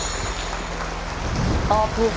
ถ้าพร้อมแล้วผมเชิญพี่แมวมาต่อชีวิตเป็นคนแรกครับ